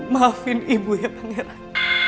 maafin ibu ya pangeran